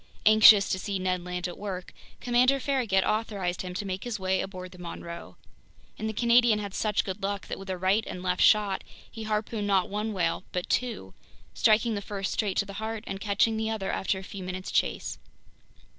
Anxious to see Ned Land at work, Commander Farragut authorized him to make his way aboard the Monroe. And the Canadian had such good luck that with a right and left shot, he harpooned not one whale but two, striking the first straight to the heart and catching the other after a few minutes' chase!